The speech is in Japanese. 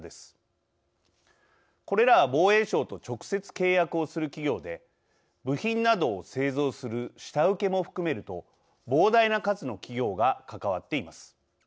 これらは防衛省と直接契約をする企業で部品などを製造する下請けも含めると膨大な数の企業が関わっています。